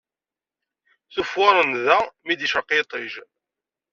Tufwaṛ nnda mi d-yecreq yiṭij.